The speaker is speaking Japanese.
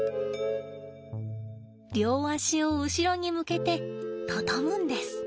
両足を後ろに向けて畳むんです。